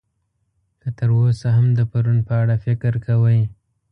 که تر اوسه هم د پرون په اړه فکر کوئ.